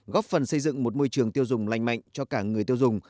góp phần xây dựng một môi trường tiêu dùng lành mạnh cho cả người tiêu dùng